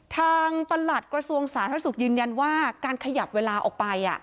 ประหลัดกระทรวงสาธารณสุขยืนยันว่าการขยับเวลาออกไป